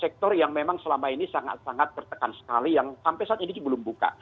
sektor yang memang selama ini sangat sangat tertekan sekali yang sampai saat ini belum buka